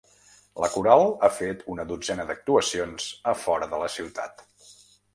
La coral ha fet una dotzena d’actuacions a fora de la ciutat.